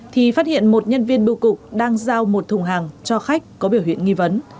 thì phát hiện một nhân viên bưu cục đang giao một thùng hàng cho khách có biểu hiện nghi vấn